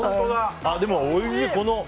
でも、おいしい！